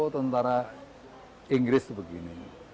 tentara inggris begini